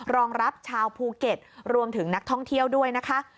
รองรับชาวภูเก็ตรวมถึงนักท่องเที่ยวด้วยนะคะ